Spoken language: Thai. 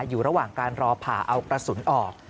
อยู่ระหว่างการรอผ่าเอากระสุนออก